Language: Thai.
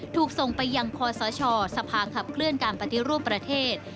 ถูกส่งไปยังคอสชสภาขับเคลื่อนการปฏิรูปประเทศ